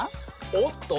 おっと。